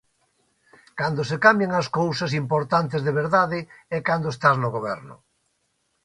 Cando se cambian as cousas importantes de verdade é cando estás no Goberno.